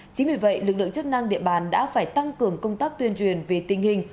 chính vì vậy lực lượng chức năng địa bàn đã phải tăng cường công tác tuyên truyền về tình hình